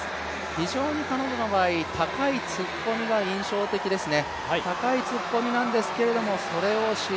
非常に彼女の場合、高い突っ込みが印象的ですね。